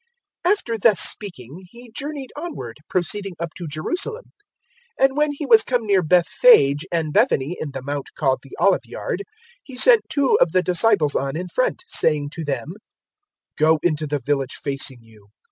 '" 019:028 After thus speaking, He journeyed onward, proceeding up to Jerusalem. 019:029 And when he was come near Bethphage and Bethany, at the Mount called the Oliveyard, He sent two of the disciples on in front, 019:030 saying to them, "Go into the village facing you.